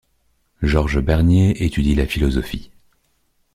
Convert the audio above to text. Georges Bernier étudie la philosophie.